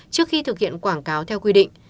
trước khi thực hiện quảng cáo theo quy định